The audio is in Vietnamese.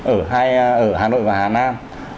ở hà nội và hà nam